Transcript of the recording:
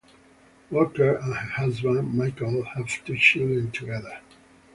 Walker and her husband Michael have two children together.